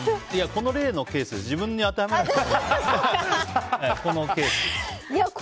いや、この例のケースですよ。